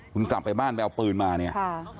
คุณกลับไปบ้านไปเอาปืนมาเนี่ย